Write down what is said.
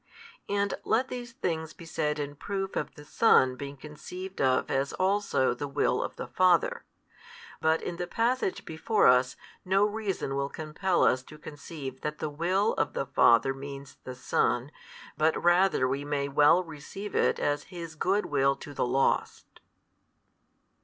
And let these things bo said in proof of the Son being conceived of as also the Will of the Father; but in the passage before us, no reason will compel us to conceive that the Will of the Father means the Son, but rather we may well receive it as His good Will to the lost.